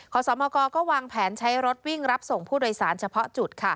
ขอสมกก็วางแผนใช้รถวิ่งรับส่งผู้โดยสารเฉพาะจุด